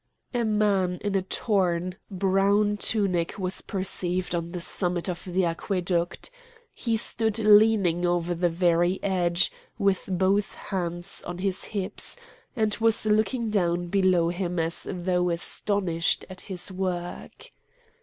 A man in a torn, brown tunic was perceived on the summit of the aqueduct. He stood leaning over the very edge with both hands on his hips, and was looking down below him as though astonished at his work.